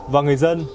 và người dân